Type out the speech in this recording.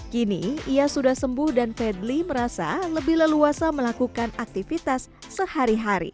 kini ia sudah sembuh dan fedly merasa lebih leluasa melakukan aktivitas sehari hari